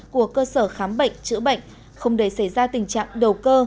của cơ sở khám bệnh chữa bệnh không để xảy ra tình trạng đầu cơ